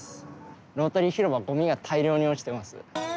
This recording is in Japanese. ロータリー広場ゴミが大量に落ちてます。